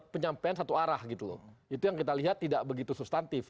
penyampaian satu arah gitu loh itu yang kita lihat tidak begitu substantif